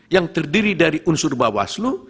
yang terdiri dari unsur bawah selu